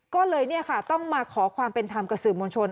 ก็เลยต้องมาขอความเป็นธรรมกับสื่อมวลชน